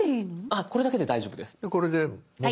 あっこれだけで大丈夫です。